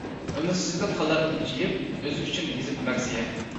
ئۈمىدسىزلىك قالار ئۈمچىيىپ، ئۆزى ئۈچۈن يېزىپ مەرسىيە.